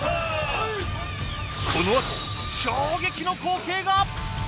このあと衝撃の光景が！！